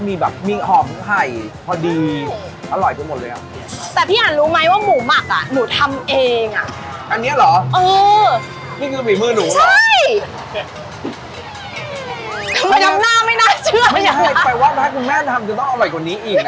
ไม่ได้ความคิดว่าแม่ทำจะต้องอร่อยกว่านี้อีกนะ